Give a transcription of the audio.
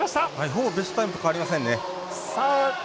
ほぼベストタイムと変わりませんね。